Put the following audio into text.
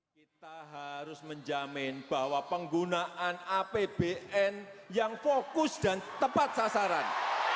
kita harus menjamin bahwa penggunaan apbn yang fokus dan tepat sasaran